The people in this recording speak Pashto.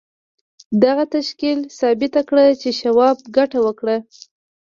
دغه تشکیل ثابته کړه چې شواب ګټه وکړه